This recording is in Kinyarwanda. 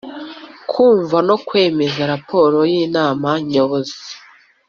Kumva no kwemeza raporo y inama nyobozi